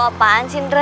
lo apaan sih ndra